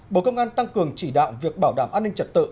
bộ công an tăng cường chỉ đạo việc bảo đảm an ninh trật tự